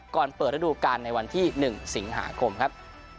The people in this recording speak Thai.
เปิดระดูการในวันที่๑สิงหาคมครับ